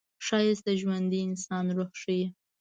ښایست د ژوندي انسان روح ښيي